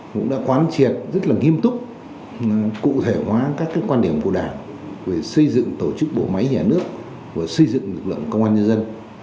cũng đã quán triệt rất là nghiêm túc cụ thể hóa các quan điểm của đảng về xây dựng tổ chức bộ máy nhà nước và xây dựng lực lượng công an nhân dân